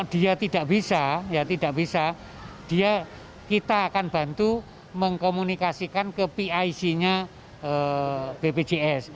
dia tidak bisa ya tidak bisa dia kita akan bantu mengkomunikasikan ke pic nya bpjs